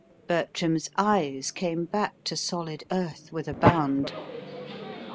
Bertram's eyes came back to solid earth with a bound.